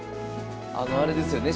あのあれですよね